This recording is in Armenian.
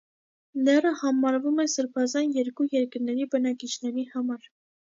Լեռը համարվում է սրբազան երկու երկրների բնակիչների համար։